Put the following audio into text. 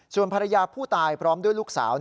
ส่วนภรรยาผู้ตายพร้อมด้วยลูกสาว